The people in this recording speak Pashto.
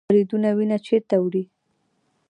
وریدونه وینه چیرته وړي؟